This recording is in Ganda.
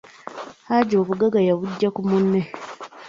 Hajji obuggaga yabugya ku munne.